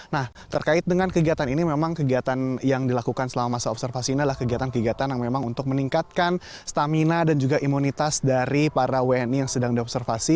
nah terkait dengan kegiatan ini memang kegiatan yang dilakukan selama masa observasi ini adalah kegiatan kegiatan yang memang untuk meningkatkan stamina dan juga imunitas dari para wni yang sedang diobservasi